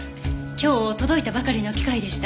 今日届いたばかりの機械でした。